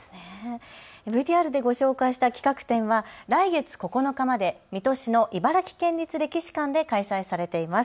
ＶＴＲでご紹介した企画展は来月９日まで水戸市の茨城県立歴史館で開催されています。